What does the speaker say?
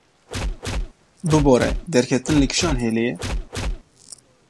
Bibore, derketin li kîjan hêlê ye?